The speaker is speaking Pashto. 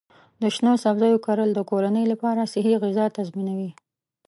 د شنو سبزیو کرل د کورنۍ لپاره صحي غذا تضمینوي.